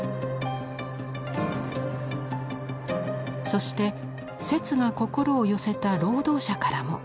そして摂が心を寄せた労働者からも。